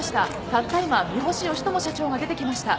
たった今三星義知社長が出てきました。